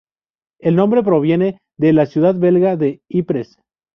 El nombre proviene de la ciudad belga de Ypres.